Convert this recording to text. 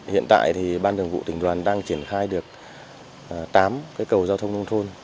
hiện tại thì ban thường vụ tỉnh đoàn đang triển khai được tám cây cầu giao thông nông thôn